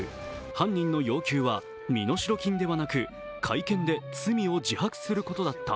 犯人の要求は身代金ではなく会見で罪を自白することだった。